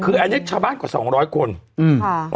คืออันนี้ชาวบ้านกว่าสองร้อยคนอืมค่ะ